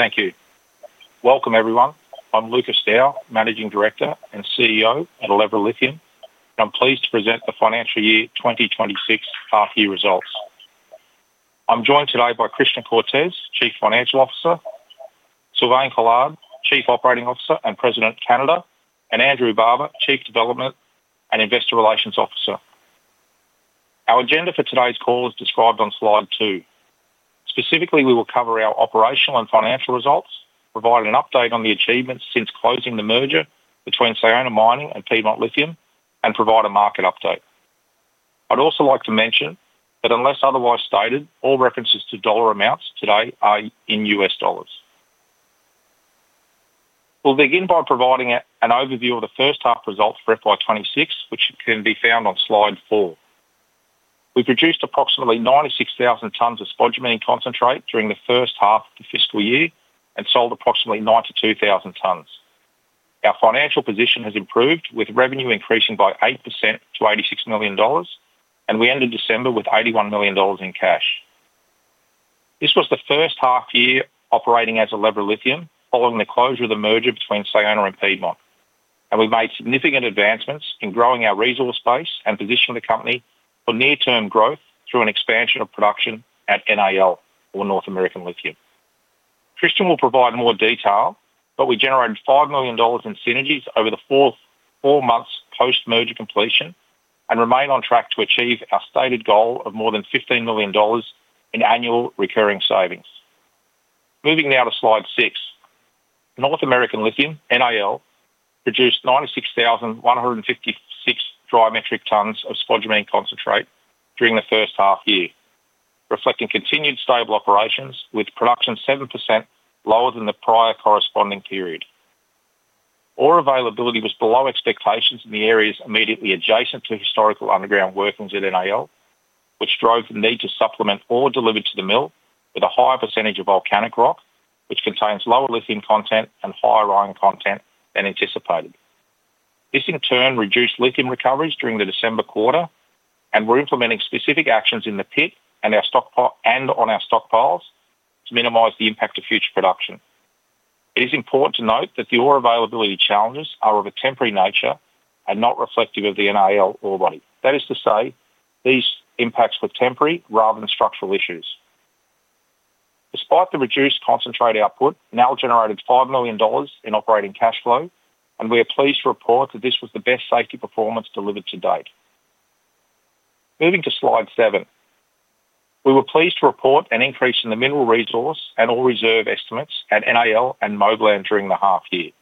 Thank you. Welcome, everyone. I'm Lucas Dow, Managing Director and CEO at Elevra Lithium, and I'm pleased to present the financial year 2026 half year results. I'm joined today by Christian Cortes, Chief Financial Officer, Sylvain Collard, Chief Operating Officer and President, Canada, and Andrew Barber, Chief Development and Investor Relations Officer. Our agenda for today's call is described on slide two. Specifically, we will cover our operational and financial results, provide an update on the achievements since closing the merger between Sayona Mining and Piedmont Lithium, and provide a market update. I'd also like to mention that unless otherwise stated, all references to dollar amounts today are in U.S. dollars. We'll begin by providing an overview of the first half results for FY 2026, which can be found on slide four. We produced approximately 96,000 tons of spodumene concentrate during the first half of the fiscal year and sold approximately 92,000 tons. Our financial position has improved, with revenue increasing by 8% to $86 million, and we ended December with $81 million in cash. This was the first half year operating as Elevra Lithium, following the closure of the merger between Sayona and Piedmont, and we've made significant advancements in growing our resource base and positioning the company for near-term growth through an expansion of production at NAL, or North American Lithium. Christian will provide more detail, but we generated $5 million in synergies over the four months post-merger completion and remain on track to achieve our stated goal of more than $15 million in annual recurring savings. Moving now to slide six. North American Lithium, NAL, produced 96,156 dry metric tons of spodumene concentrate during the first half year, reflecting continued stable operations, with production 7% lower than the prior corresponding period. Ore availability was below expectations in the areas immediately adjacent to historical underground workings at NAL, which drove the need to supplement ore delivered to the mill with a higher percentage of volcanic rock, which contains lower lithium content and higher iron content than anticipated. This, in turn, reduced lithium recoveries during the December quarter. We're implementing specific actions in the pit and on our stockpiles to minimize the impact of future production. It is important to note that the ore availability challenges are of a temporary nature and not reflective of the NAL ore body. That is to say, these impacts were temporary rather than structural issues. Despite the reduced concentrate output, NAL generated $5 million in operating cash flow, we are pleased to report that this was the best safety performance delivered to date. Moving to slide seven. We were pleased to report an increase in the mineral resource and ore reserve estimates at NAL and Moblan during the half year.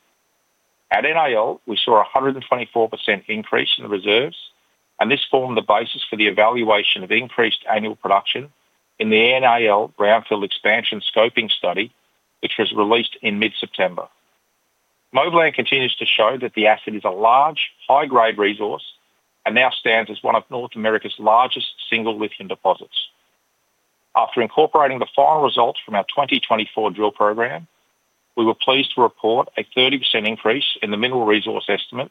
At NAL, we saw a 124% increase in the reserves, this formed the basis for the evaluation of increased annual production in the NAL brownfield expansion scoping study, which was released in mid-September. Moblan continues to show that the asset is a large, high-grade resource and now stands as one of North America's largest single lithium deposits. After incorporating the final results from our 2024 drill program, we were pleased to report a 30% increase in the mineral resource estimate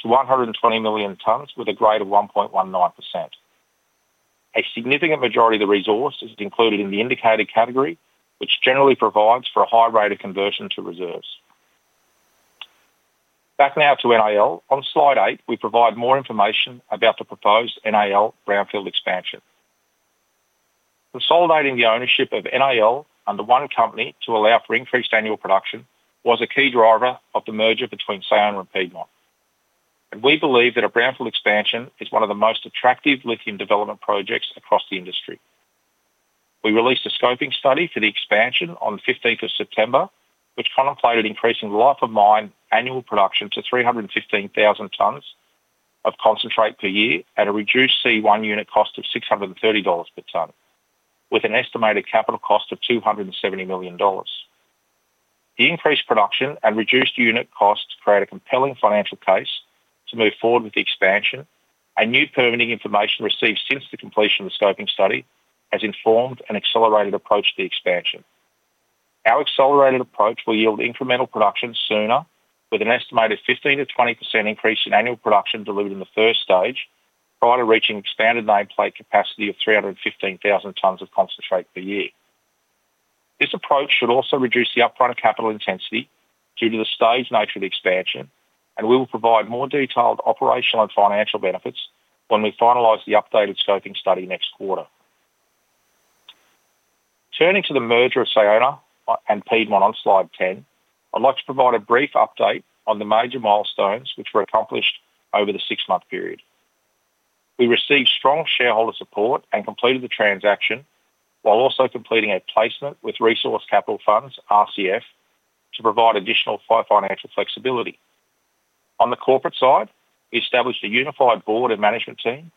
to 120 million tons with a grade of 1.19%. A significant majority of the resource is included in the indicated category, which generally provides for a high rate of conversion to reserves. Back now to NAL. On slide eight, we provide more information about the proposed NAL brownfield expansion. Consolidating the ownership of NAL under one company to allow for increased annual production was a key driver of the merger between Sayona and Piedmont. We believe that a brownfield expansion is one of the most attractive lithium development projects across the industry. We released a scoping study for the expansion on the 15th of September, which contemplated increasing the life of mine annual production to 315,000 tons of concentrate per year at a reduced C1 unit cost of $630 per ton, with an estimated capital cost of $270 million. The increased production and reduced unit costs create a compelling financial case to move forward with the expansion. New permitting information received since the completion of the scoping study has informed an accelerated approach to the expansion. Our accelerated approach will yield incremental production sooner, with an estimated 15%-20% increase in annual production delivered in the first stage, prior to reaching expanded nameplate capacity of 315,000 tons of concentrate per year. This approach should also reduce the upfront capital intensity due to the staged nature of the expansion, and we will provide more detailed operational and financial benefits when we finalize the updated scoping study next quarter. Turning to the merger of Sayona and Piedmont on slide 10, I'd like to provide a brief update on the major milestones which were accomplished over the six-month period. We received strong shareholder support and completed the transaction, while also completing a placement with Resource Capital Funds, RCF, to provide additional financial flexibility. On the corporate side, we established a unified board and management team,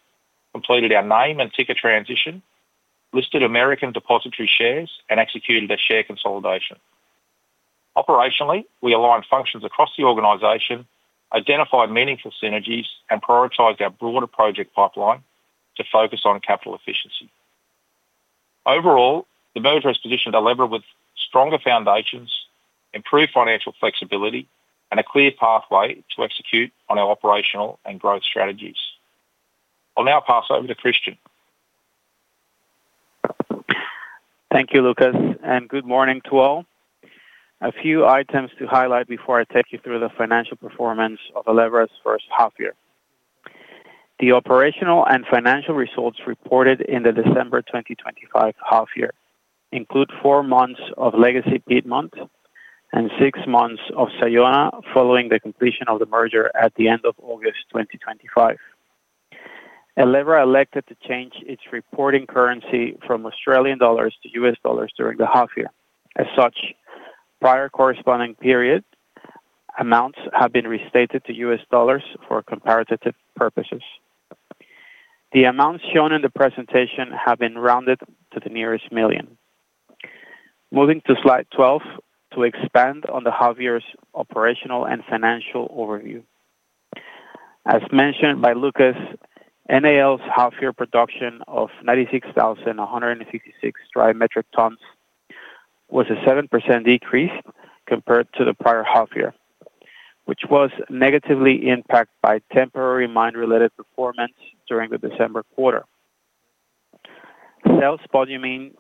completed our name and ticker transition, listed American depository shares, and executed a share consolidation. Operationally, we aligned functions across the organization, identified meaningful synergies, and prioritized our broader project pipeline to focus on capital efficiency. Overall, the merger has positioned Elevra Lithium with stronger foundations, improved financial flexibility, and a clear pathway to execute on our operational and growth strategies. I'll now pass over to Christian Cortes. Thank you, Lucas. Good morning to all. A few items to highlight before I take you through the financial performance of Elevra's first half year. The operational and financial results reported in the December 2025 half year include four months of Legacy Piedmont and six months of Sayona, following the completion of the merger at the end of August 2025. Elevra elected to change its reporting currency from Australian dollars to U.S. dollars during the half year. As such, prior corresponding period, amounts have been restated to U.S. dollars for comparative purposes. The amounts shown in the presentation have been rounded to the nearest million. Moving to Slide 12, to expand on the half year's operational and financial overview. As mentioned by Lucas, NAL's half-year production of 96,156 dry metric tons was a 7% decrease compared to the prior half year, which was negatively impacted by temporary mine-related performance during the December quarter. Sales volume in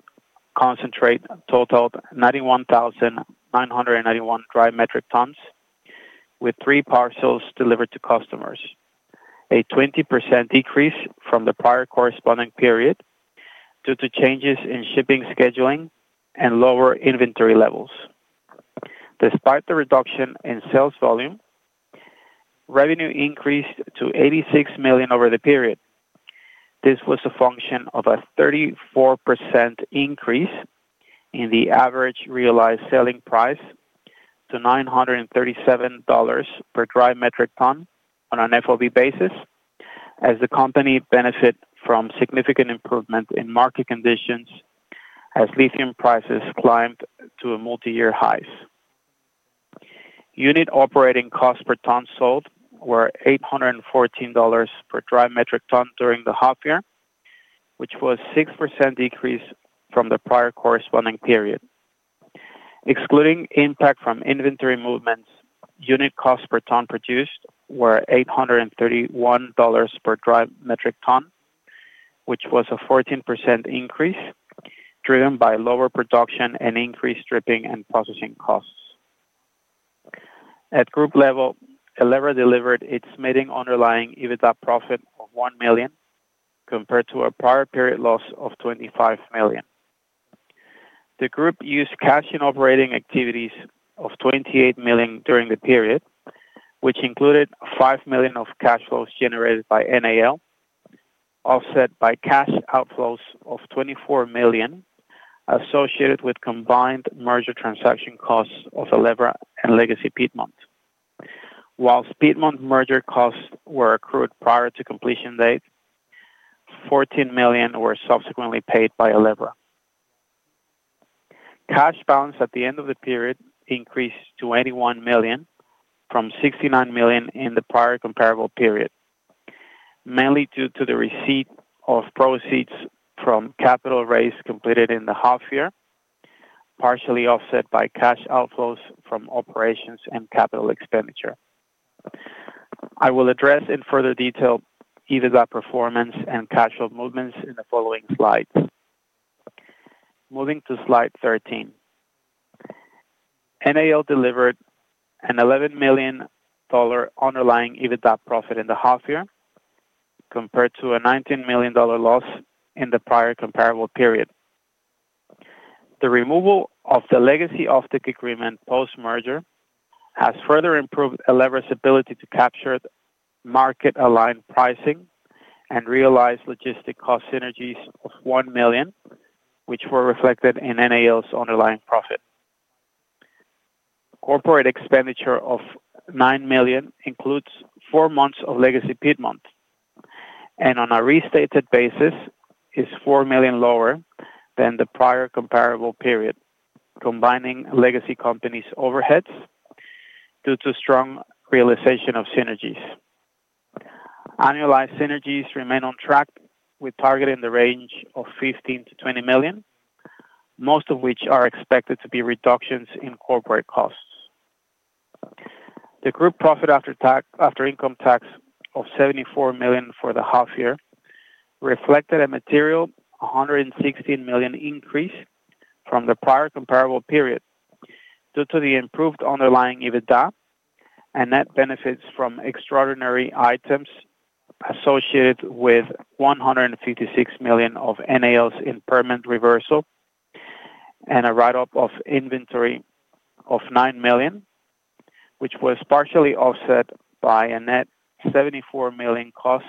concentrate totaled 91,991 dry metric tons, with three parcels delivered to customers. A 20% decrease from the prior corresponding period due to changes in shipping, scheduling, and lower inventory levels. Despite the reduction in sales volume, revenue increased to $86 million over the period. This was a function of a 34% increase in the average realized selling price to $937 per dry metric ton on an FOB basis, as the company benefit from significant improvement in market conditions as lithium prices climbed to a multi-year highs. Unit operating costs per ton sold were $814 per dry metric ton during the half year, which was a 6% decrease from the prior corresponding period. Excluding impact from inventory movements, unit costs per ton produced were $831 per dry metric ton, which was a 14% increase, driven by lower production and increased stripping and processing costs. At group level, Elevra Lithium delivered its meeting underlying EBITDA profit of $1 million, compared to a prior period loss of $25 million. The group used cash in operating activities of $28 million during the period, which included $5 million of cash flows generated by NAL, offset by cash outflows of $24 million, associated with combined merger transaction costs of Elevra Lithium and Legacy Piedmont. Piedmont merger costs were accrued prior to completion date, $14 million were subsequently paid by Elevra Lithium. Cash balance at the end of the period increased to $81 million from $69 million in the prior comparable period, mainly due to the receipt of proceeds from capital raise completed in the half year, partially offset by cash outflows from operations and capital expenditure. I will address in further detail EBITDA performance and cash flow movements in the following slides. Moving to Slide 13. NAL delivered an $11 million underlying EBITDA profit in the half year, compared to a $19 million loss in the prior comparable period. The removal of the legacy offtake agreement post-merger has further improved Elevra Lithium's ability to capture the market-aligned pricing and realize logistic cost synergies of $1 million, which were reflected in NAL's underlying profit. Corporate expenditure of $9 million includes four months of Legacy Piedmont, and on a restated basis, is $4 million lower than the prior comparable period, combining legacy companies' overheads due to strong realization of synergies. Annualized synergies remain on track, with target in the range of $15 million-$20 million, most of which are expected to be reductions in corporate costs. The group profit after income tax of $74 million for the half year reflected a material $116 million increase from the prior comparable period, due to the improved underlying EBITDA and net benefits from extraordinary items associated with $156 million of NAL's impairment reversal and a write-up of inventory of $9 million, which was partially offset by a net $74 million cost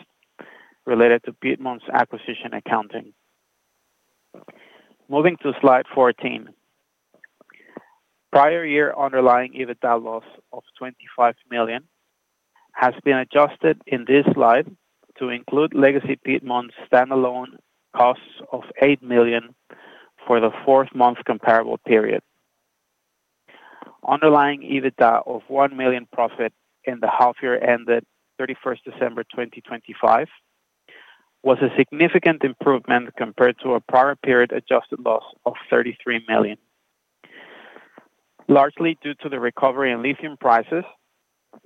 related to Piedmont's acquisition accounting. Moving to Slide 14. Prior year underlying EBITDA loss of $25 million has been adjusted in this slide to include Legacy Piedmont's standalone costs of $8 million for the four-month comparable period. Underlying EBITDA of $1 million profit in the half year ended 31st December 2025, was a significant improvement compared to a prior period adjusted loss of $33 million. largely due to the recovery in lithium prices,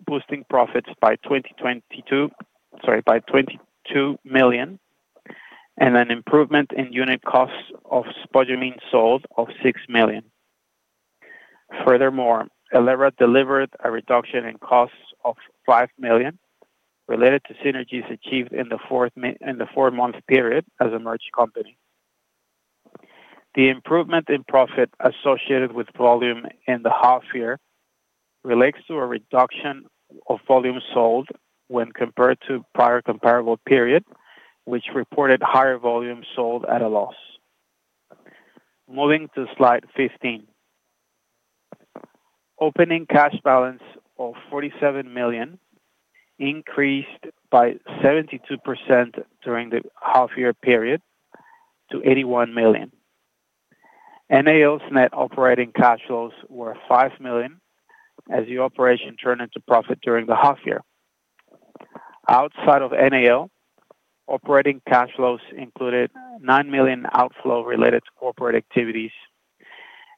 boosting profits by $22 million, and an improvement in unit costs of spodumene sold of $6 million. Elevra delivered a reduction in costs of $5 million related to synergies achieved in the four-month period as a merged company. The improvement in profit associated with volume in the half year relates to a reduction of volume sold when compared to prior comparable period, which reported higher volume sold at a loss. Moving to slide 15. Opening cash balance of $47 million increased by 72% during the half year period to $81 million. NAL's net operating cash flows were $5 million, as the operation turned into profit during the half year. Outside of NAL, operating cash flows included $9 million outflow related to corporate activities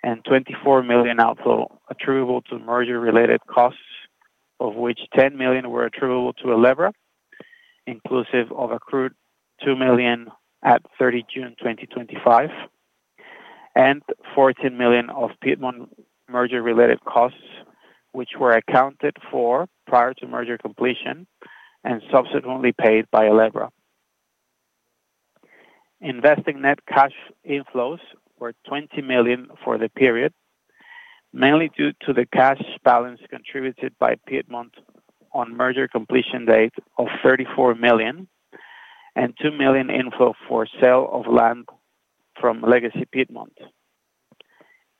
and $24 million outflow attributable to merger-related costs, of which $10 million were attributable to Elevra, inclusive of accrued $2 million at 30 June 2025, and $14 million of Piedmont merger-related costs, which were accounted for prior to merger completion and subsequently paid by Elevra. Investing net cash inflows were $20 million for the period, mainly due to the cash balance contributed by Piedmont on merger completion date of $34 million and $2 million inflow for sale of land from Legacy Piedmont.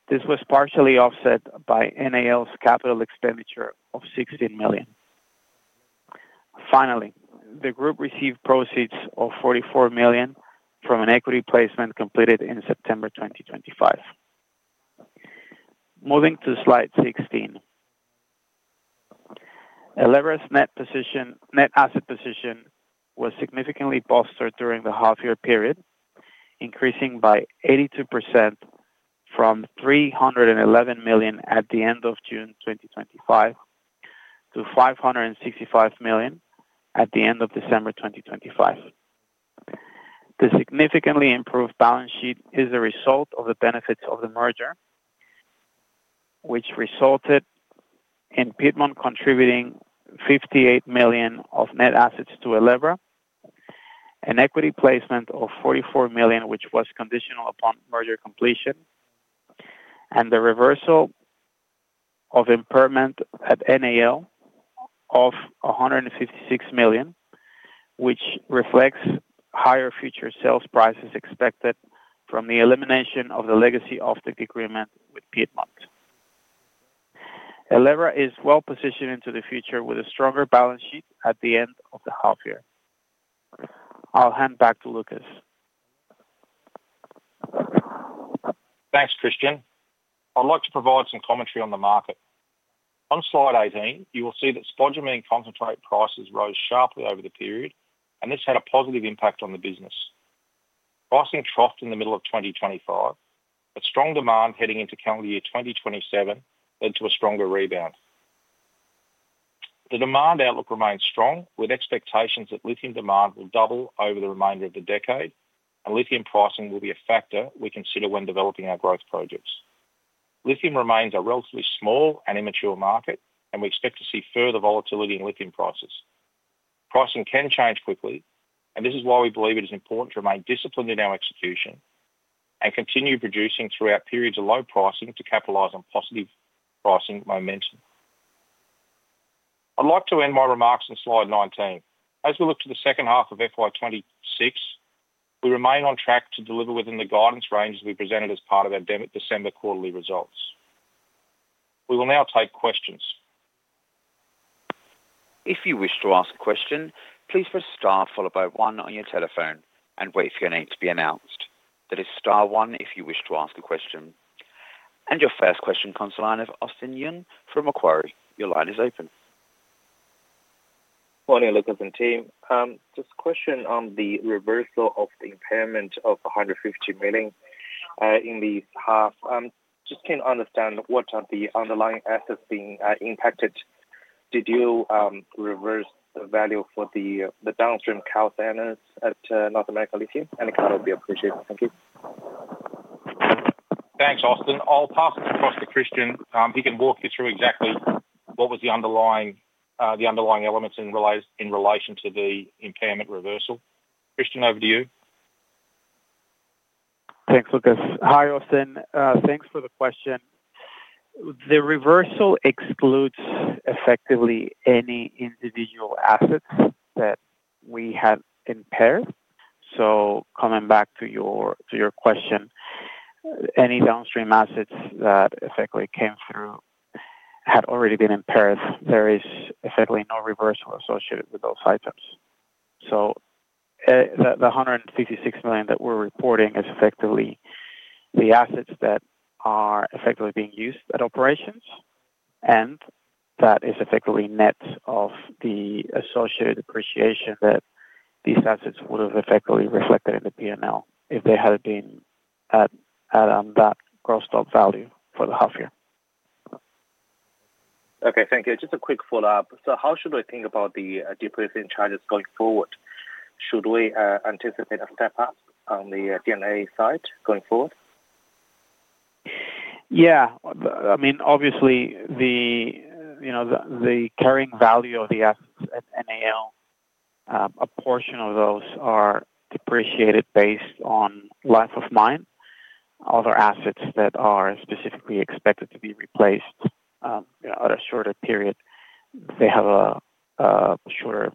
This was partially offset by NAL's capital expenditure of $16 million. The group received proceeds of $44 million from an equity placement completed in September 2025. Moving to slide 16. Elevra's net asset position was significantly bolstered during the half year period, increasing by 82% from $311 million at the end of June 2025 to $565 million at the end of December 2025. The significantly improved balance sheet is a result of the benefits of the merger, which resulted in Piedmont contributing $58 million of net assets to Elevra, an equity placement of $44 million, which was conditional upon merger completion, and the reversal of impairment at NAL of $156 million, which reflects higher future sales prices expected from the elimination of the legacy offtake agreement with Piedmont.Elevra is well positioned into the future with a stronger balance sheet at the end of the half year. I'll hand back to Lucas. Thanks, Christian. I'd like to provide some commentary on the market. On slide 18, you will see that spodumene concentrate prices rose sharply over the period, and this had a positive impact on the business. Pricing troughed in the middle of 2025, but strong demand heading into calendar year 2027 led to a stronger rebound. The demand outlook remains strong, with expectations that lithium demand will double over the remainder of the decade, and lithium pricing will be a factor we consider when developing our growth projects. Lithium remains a relatively small and immature market, and we expect to see further volatility in lithium prices. Pricing can change quickly, and this is why we believe it is important to remain disciplined in our execution and continue producing throughout periods of low pricing to capitalize on positive pricing momentum. I'd like to end my remarks on slide 19. As we look to the second half of FY 2026, we remain on track to deliver within the guidance ranges we presented as part of our December quarterly results. We will now take questions. If you wish to ask a question, please press star followed by one on your telephone and wait for your name to be announced. That is star one if you wish to ask a question. Your first question comes on line of Austin Yun from Macquarie. Your line is open. Morning, Lucas and team. Just a question on the reversal of the impairment of $150 million in the half. Just can't understand what are the underlying assets being impacted. Did you reverse the value for the downstream calciners at North American Lithium? Any comment will be appreciated. Thank you. Thanks, Austin. I'll pass it across to Christian. He can walk you through exactly what was the underlying, the underlying elements in relation to the impairment reversal. Christian, over to you. Thanks, Lucas. Hi, Austin. Thanks for the question. The reversal excludes effectively any individual assets that we have impaired. Coming back to your question, any downstream assets that effectively came through had already been impaired. There is effectively no reversal associated with those items. The $156 million that we're reporting is effectively the assets that are effectively being used at operations, and that is effectively net of the associated depreciation that these assets would have effectively reflected in the P&L if they had been at that gross stock value for the half year. Okay, thank you. Just a quick follow-up. How should we think about the depreciation charges going forward? Should we anticipate a step up on the D&A side going forward? I mean, obviously the, you know, the carrying value of the assets at NAL, a portion of those are depreciated based on life of mine. Other assets that are specifically expected to be replaced, at a shorter period, they have a shorter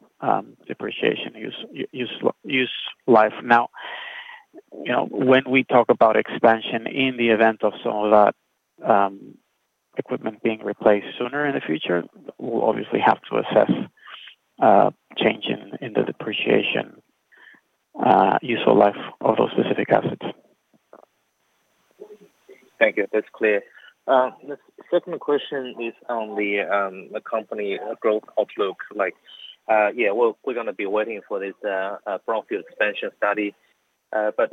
depreciation use life. You know, when we talk about expansion in the event of some of that equipment being replaced sooner in the future, we'll obviously have to assess change in the depreciation useful life of those specific assets. Thank you. That's clear. The second question is on the company growth outlook, like, yeah, we're going to be waiting for this brownfield expansion study.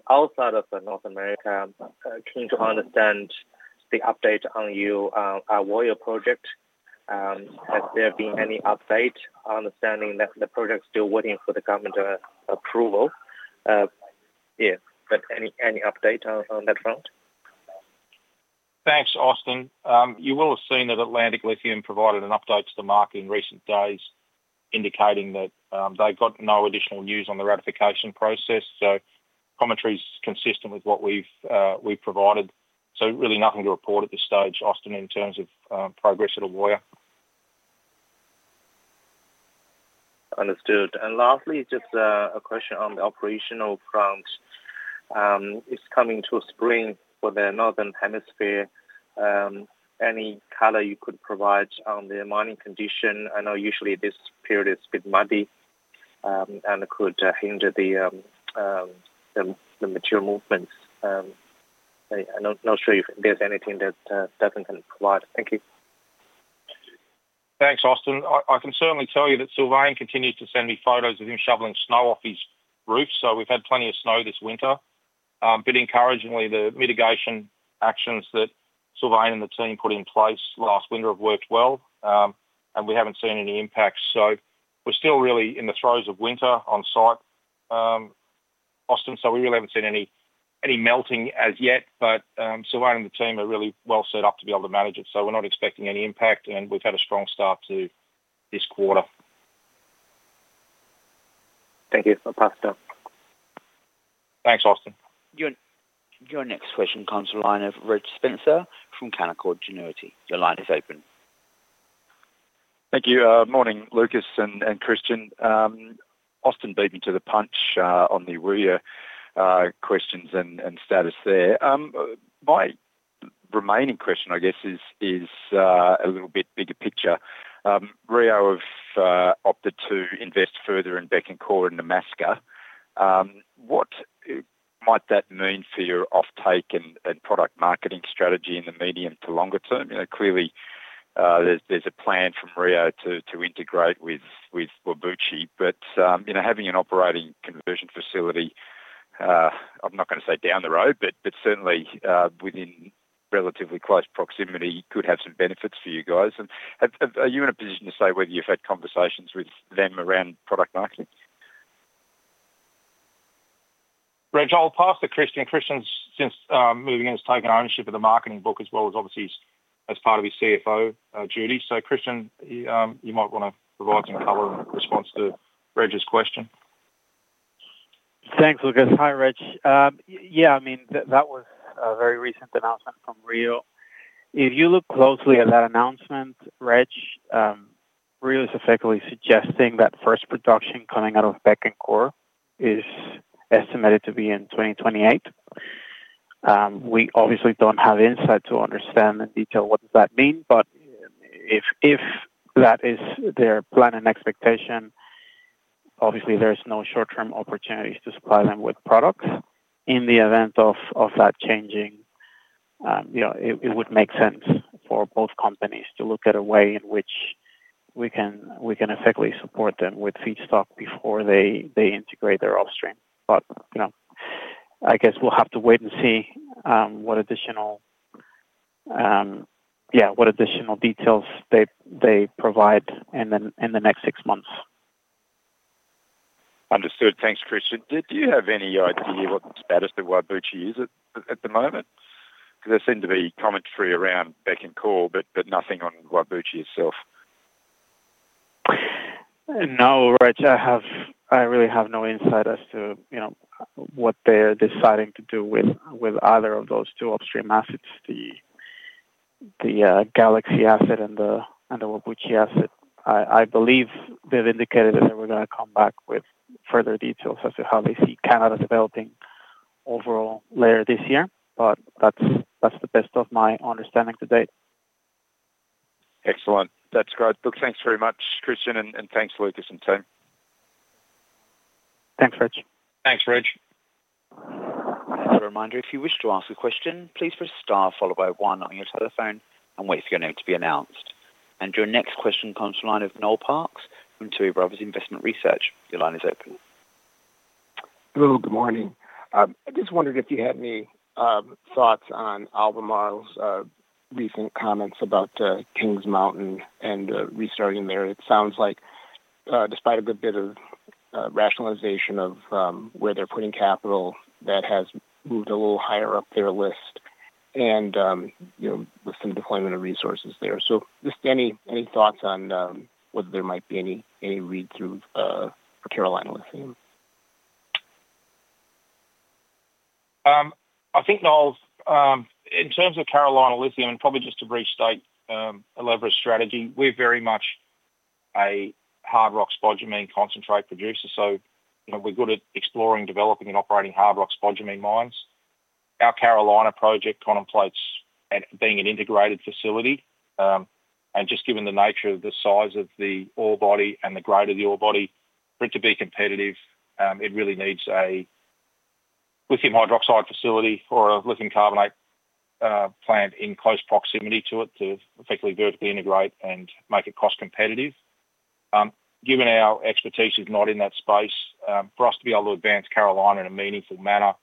Outside of the North America, I'm keen to understand the update on your Ewoyaa project. Has there been any update? Understanding that the project is still waiting for the government approval. Yeah, any update on that front? Thanks, Austin. You will have seen that Atlantic Lithium provided an update to the market in recent days, indicating that, they've got no additional news on the ratification process. Commentary is consistent with what we've provided. Really nothing to report at this stage, Austin, in terms of progress at Ewoyaa. Understood. Lastly, just a question on the operational front. It's coming to a spring for the northern hemisphere, any color you could provide on the mining condition? I know usually this period is a bit muddy, and it could hinder the material movements. I'm not sure if there's anything that doesn't can provide. Thank you. Thanks, Austin. I can certainly tell you that Sylvain continues to send me photos of him shoveling snow off his roof, so we've had plenty of snow this winter. Encouragingly, the mitigation actions that Sylvain and the team put in place last winter have worked well, and we haven't seen any impact. We're still really in the throes of winter on site, Austin, so we really haven't seen any melting as yet. Sylvain and the team are really well set up to be able to manage it, so we're not expecting any impact, and we've had a strong start to this quarter. Thank you. I'll pass that. Thanks, Austin. Your next question comes from the line of Reg Spencer from Canaccord Genuity. Your line is open. Thank you. Morning, Lucas and Christian. Austin beat me to the punch on the Ewoyaa questions and status there. My remaining question, I guess, is a little bit bigger picture. Rio Tinto have opted to invest further in Bécancour in Nebraska. What might that mean for your offtake and product marketing strategy in the medium to longer term? You know, clearly, there's a plan from Rio Tinto to integrate with Whabouchi. You know, having an operating conversion facility, I'm not going to say down the road, but certainly within relatively close proximity, could have some benefits for you guys. Are you in a position to say whether you've had conversations with them around product marketing? Reg, I'll pass to Christian. Christian's since moving in, has taken ownership of the marketing book as well as obviously as part of his CFO duty. Christian, you might want to provide some color in response to Reg's question. Thanks, Lucas. Hi, Reg. I mean, that was a very recent announcement from Rio. If you look closely at that announcement, Reg, Rio is effectively suggesting that first production coming out of Bécancour is estimated to be in 2028. We obviously don't have insight to understand in detail what does that mean, but if that is their plan and expectation, obviously there's no short-term opportunities to supply them with products. In the event of that changing, you know, it would make sense for both companies to look at a way in which we can effectively support them with feedstock before they integrate their offstream. You know, I guess we'll have to wait and see what additional details they provide in the next six months. Understood. Thanks, Christian. Do you have any idea what the status of Whabouchi is at the moment? Because there seem to be commentary around Elk Creek, but nothing on Whabouchi itself. No, Reg, I really have no insight as to, you know, what they're deciding to do with either of those two upstream assets, the Galaxy asset and the Whabouchi asset. I believe they've indicated that they were gonna come back with further details as to how they see Canada developing overall later this year, but that's the best of my understanding to date. Excellent. That's great. Look, thanks very much, Christian, and thanks, Lucas, and team. Thanks, Reg. Thanks, Reg. Reminder, if you wish to ask a question, please press star followed by one on your telephone and wait for your name to be announced. Your next question comes from the line of Noel Parks from Tuohy Brothers Investment Research. Your line is open. Hello, good morning. I just wondered if you had any thoughts on Albemarle's recent comments about Kings Mountain and restarting there. It sounds like despite a good bit of rationalization of where they're putting capital, that has moved a little higher up their list and, you know, with some deployment of resources there. Just any thoughts on whether there might be any read-through for Carolina Lithium? I think, Noel, in terms of Carolina Lithium, probably just to restate a leverage strategy, we're very much a hard rock spodumene concentrate producer. You know, we're good at exploring, developing, and operating hard rock spodumene mines. Our Carolina project contemplates at being an integrated facility, just given the nature of the size of the ore body and the grade of the ore body, for it to be competitive, it really needs a lithium hydroxide facility or a lithium carbonate plant in close proximity to it to effectively vertically integrate and make it cost competitive. Given our expertise is not in that space, for us to be able to advance Carolina in a meaningful manner,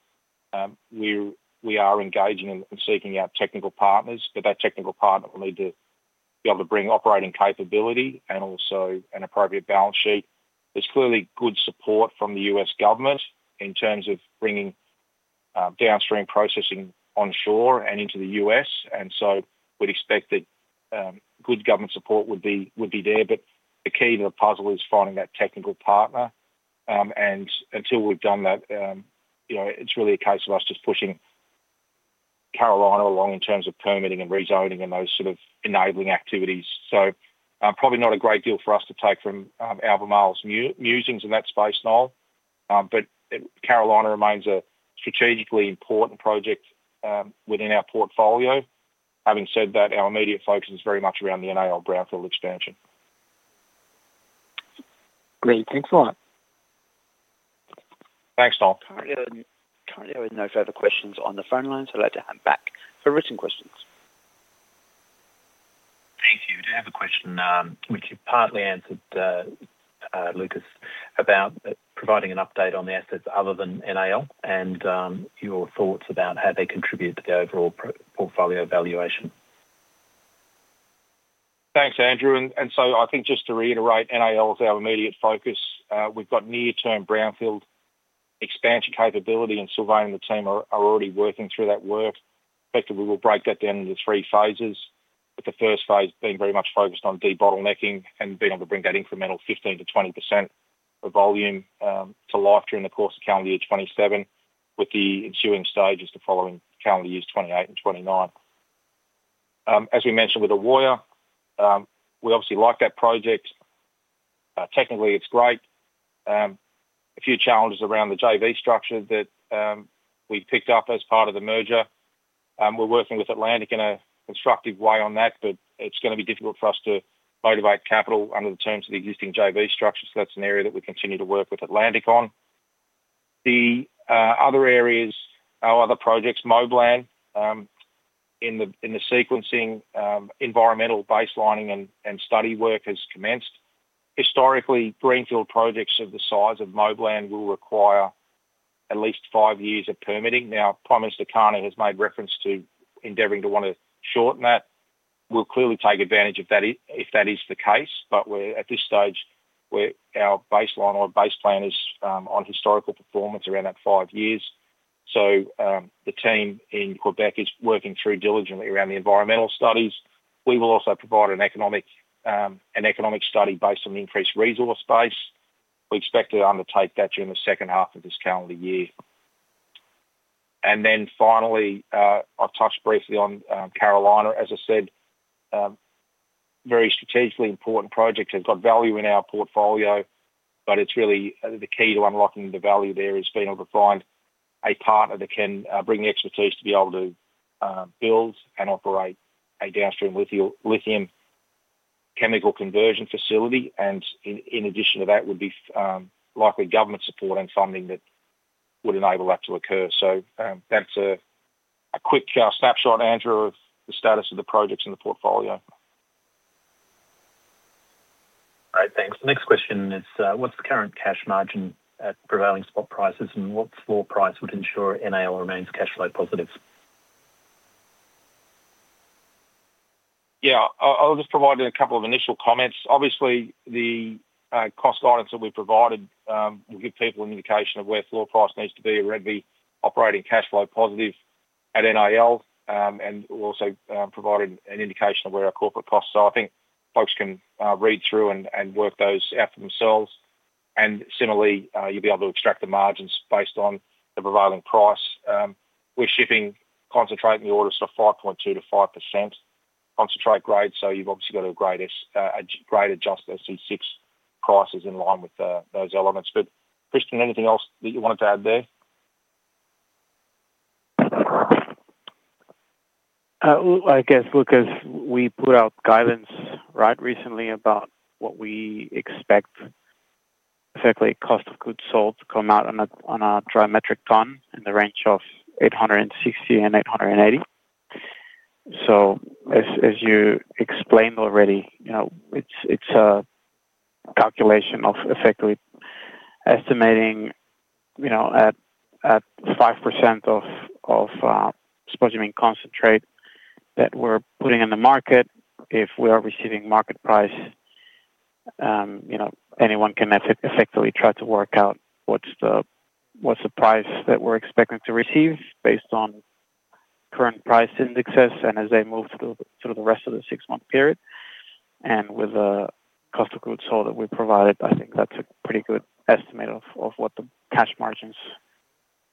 we are engaging in and seeking out technical partners. That technical partner will need to be able to bring operating capability and also an appropriate balance sheet. There's clearly good support from the U.S. government in terms of bringing downstream processing onshore and into the U.S. We'd expect that good government support would be there. The key to the puzzle is finding that technical partner. Until we've done that, you know, it's really a case of us just pushing Carolina along in terms of permitting and rezoning and those sort of enabling activities. Probably not a great deal for us to take from Albemarle's musings in that space, Noel. Carolina remains a strategically important project within our portfolio. Having said that, our immediate focus is very much around the NAL brownfield expansion. Great. Thanks a lot. Thanks, Noel. Currently, there are no further questions on the phone lines. I'd like to hand back for written questions. Thank you. I do have a question, which you partly answered, Lucas, about providing an update on the assets other than NAL and your thoughts about how they contribute to the overall portfolio valuation. Thanks, Andrew. I think just to reiterate, NAL is our immediate focus. We've got near-term brownfield expansion capability, and Sylvain and the team are already working through that work. Effectively, we'll break that down into three phases, with the first phase being very much focused on debottlenecking and being able to bring that incremental 15%-20% of volume to life during the course of calendar year 2027, with the ensuing stages the following calendar years 2028 and 2029. As we mentioned with Authier, we obviously like that project. Technically, it's great. A few challenges around the JV structure that we picked up as part of the merger. We're working with Atlantic in a constructive way on that, but it's gonna be difficult for us to motivate capital under the terms of the existing JV structure. That's an area that we continue to work with Atlantic on. The other areas, our other projects, Moblan, in the sequencing, environmental baselining and study work has commenced. Historically, greenfield projects of the size of Moblan will require at least five years of permitting. Prime Minister Carney has made reference to endeavoring to want to shorten that. We'll clearly take advantage of that if that is the case, but we're, at this stage, our baseline or base plan is on historical performance around that five years. The team in Quebec is working through diligently around the environmental studies. We will also provide an economic study based on the increased resource base. We expect to undertake that during the second half of this calendar year. Finally, I've touched briefly on Carolina. As I said, very strategically important project. It's got value in our portfolio, but it's really the key to unlocking the value there is being able to find a partner that can bring the expertise to be able to build and operate a downstream lithium chemical conversion facility, and in addition to that, would be likely government support and funding that would enable that to occur. That's a quick snapshot, Andrew, of the status of the projects in the portfolio. All right, thanks. Next question is, what's the current cash margin at prevailing spot prices, and what floor price would ensure NAL remains cash flow positive? Yeah, I'll just provide a couple of initial comments. Obviously, the cost guidance that we provided will give people an indication of where floor price needs to be to be operating cash flow positive at NAL, and also providing an indication of where our corporate costs are. I think folks can read through and work those out for themselves. Similarly, you'll be able to extract the margins based on the prevailing price. We're shipping concentrate in the order of sort of 5.2%-5% concentrate grade, so you've obviously got a great adjusted SC6 prices in line with those elements. Christian, anything else that you wanted to add there? I guess, Lucas, we put out guidance right recently about what we expect, exactly cost of goods sold to come out on a, on a dry metric ton in the range of $860-$880. As, as you explained already, you know, it's a calculation of effectively estimating, you know, at 5% of spodumene concentrate that we're putting in the market. If we are receiving market price, you know, anyone can effectively try to work out what's the price that we're expecting to receive based on current price indexes and as they move through the rest of the six-month period. With the cost of goods sold that we provided, I think that's a pretty good estimate of what the cash margins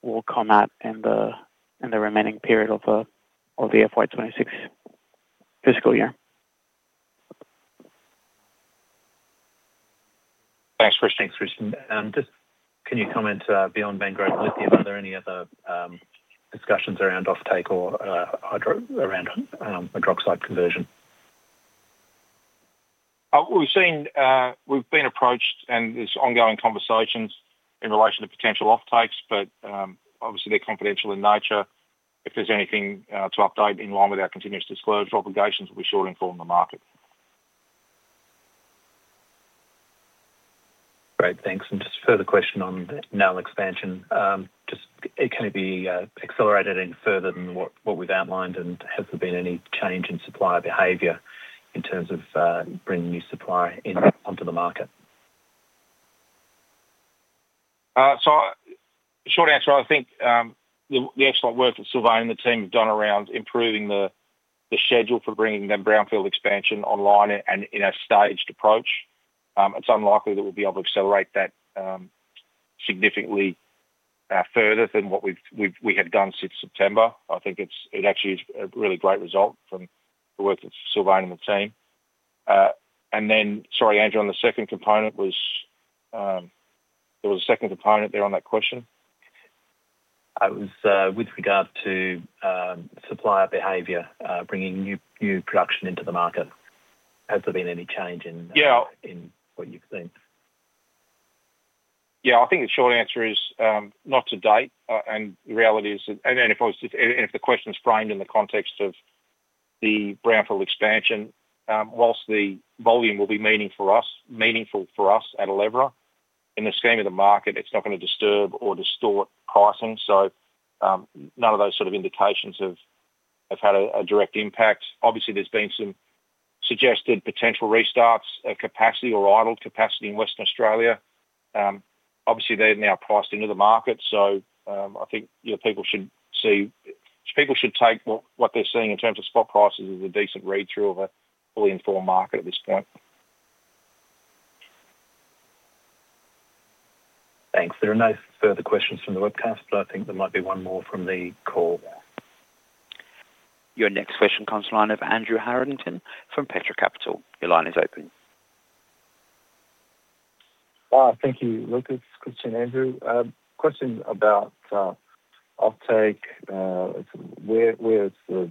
will come at in the remaining period of the FY 2026 fiscal year. Thanks, Christian. Thanks, Christian. just can you comment, beyond Mangrove Lithium, are there any other discussions around offtake or around hydroxide conversion? We've seen, we've been approached, and there's ongoing conversations in relation to potential offtakes, but, obviously, they're confidential in nature. If there's anything to update in line with our continuous disclosure obligations, we'll be sure to inform the market. Great, thanks. Just a further question on the NAL expansion. Just can it be accelerated any further than what we've outlined? Has there been any change in supplier behavior in terms of bringing new supply in, onto the market? Short answer, I think, the excellent work that Sylvain and the team have done around improving the schedule for bringing the brownfield expansion online and in a staged approach, it's unlikely that we'll be able to accelerate that significantly further than what we had done since September. I think it's, it actually is a really great result from the work of Sylvain and the team. Sorry, Andrew, on the second component was, there was a second component there on that question? It was with regard to supplier behavior, bringing new production into the market. Has there been any change? Yeah in what you've seen? Yeah, I think the short answer is, not to date. The reality is, and if the question is framed in the context of the brownfield expansion, whilst the volume will be meaningful for us at Elevra Lithium, in the scheme of the market, it's not going to disturb or distort pricing. None of those sort of indications have had a direct impact. Obviously, there's been some suggested potential restarts, capacity or idle capacity in Western Australia. Obviously, they're now priced into the market, I think, you know, people should take what they're seeing in terms of spot prices as a decent read-through of a fully informed market at this point. Thanks. There are no further questions from the webcast, but I think there might be one more from the call. Your next question comes line of Andrew Harrington from Petra Capital. Your line is open. Thank you, Lucas, Christian, Andrew. Question about offtake. Where is the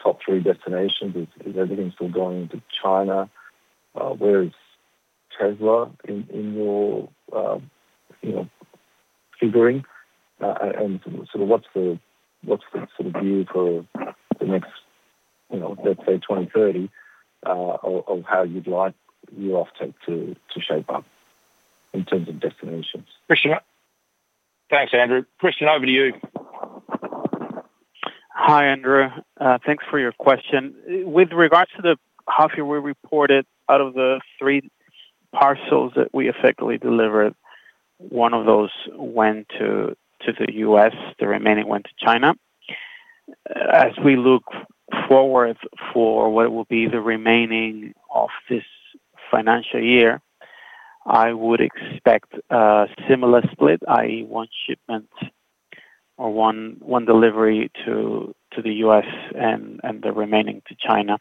top three destinations? Is everything still going to China? Where is Tesla in your, you know, figuring? Sort of what's the, what's the sort of view for the next, you know, let's say 2030, of how you'd like your offtake to shape up in terms of destinations? Christian. Thanks, Andrew. Christian, over to you. Hi, Andrew. Thanks for your question. With regards to the half year, we reported out of the three parcels that we effectively delivered, one of those went to the U.S., the remaining went to China. As we look forward for what will be the remaining of this financial year, I would expect a similar split, i.e., one shipment or one delivery to the U.S. and the remaining to China.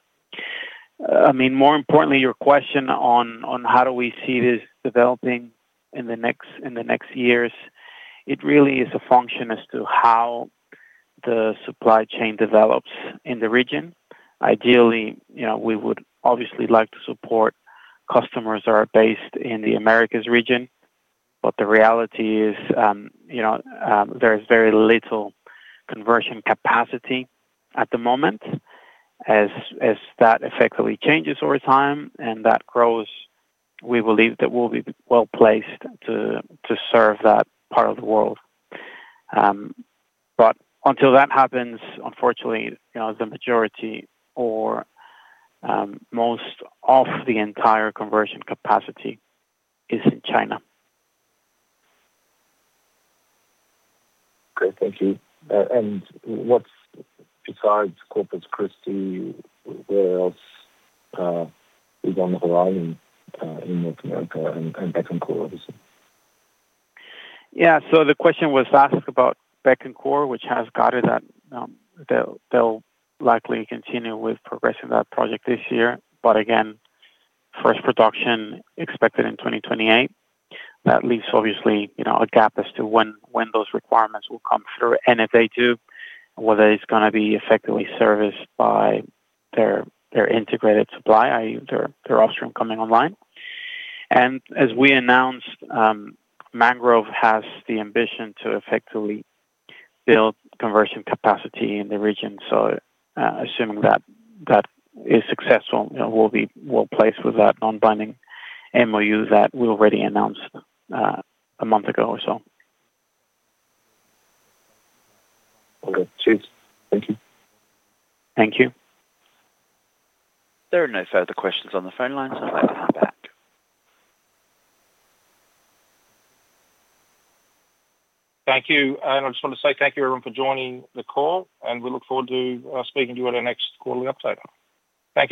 I mean, more importantly, your question on how do we see this developing in the next years, it really is a function as to how the supply chain develops in the region. Ideally, you know, we would obviously like to support customers that are based in the Americas region, but the reality is, you know, there is very little conversion capacity at the moment. As that effectively changes over time and that grows, we believe that we'll be well-placed to serve that part of the world. Until that happens, unfortunately, you know, the majority or most of the entire conversion capacity is in China. Great. Thank you. What's, besides Corpus Christi, where else, is on the horizon, in North America and Bécancour? Yeah. The question was asked about Bécancour, which has guided that they'll likely continue with progressing that project this year. Again, first production expected in 2028. That leaves obviously, a gap as to when those requirements will come through, and if they do, whether it's gonna be effectively serviced by their integrated supply, i.e., their upstream coming online. As we announced, Mangrove has the ambition to effectively build conversion capacity in the region. Assuming that is successful, you know, we'll be well-placed with that non-binding MOU that we already announced a month ago or so. Okay, cheers. Thank you. Thank you. There are no further questions on the phone lines. I'm going to hand back. Thank you. I just want to say thank you, everyone, for joining the call, and we look forward to speaking to you at our next quarterly update. Thank you.